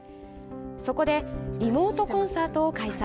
そこでリモートコンサートを開催。